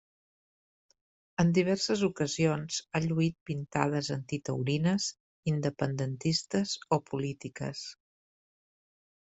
En diverses ocasions ha lluït pintades antitaurines, independentistes o polítiques.